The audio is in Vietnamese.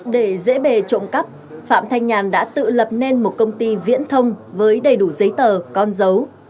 để dễ bề trộm cắp phạm thanh nhàn đã tự lập nên một công ty viễn thông với đầy đủ giấy tờ con dấu